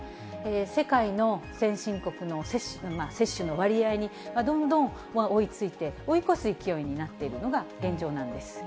世界の先進国の接種の割合にどんどん追いついて、追い越す勢いになっているのが現状なんです。